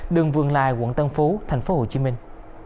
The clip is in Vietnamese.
đường vương lai quận tân phú thành phố hồ chí minh